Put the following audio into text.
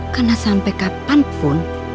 karena sampai kapanpun